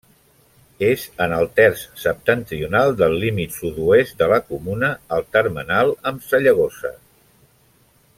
És en el terç septentrional del límit sud-oest de la comuna, al termenal amb Sallagosa.